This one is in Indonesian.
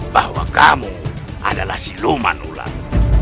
bahwa kamu adalah siluman ulang